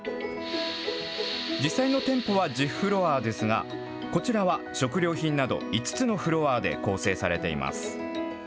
実際の店舗は１０フロアですが、こちらは食料品など５つのフロアで構成されています。